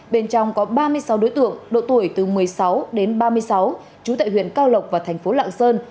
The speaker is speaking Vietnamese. bên trong có ba mươi sáu đối tượng độ tuổi từ một mươi sáu đến ba mươi sáu trú tại huyện cao lộc và thành phố lạng sơn